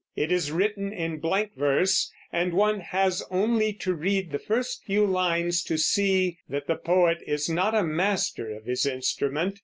It is written in blank verse, and one has only to read the first few lines to see that the poet is not a master of his instrument.